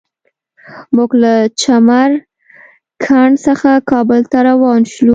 موږ له چمر کنډ څخه کابل ته روان شولو.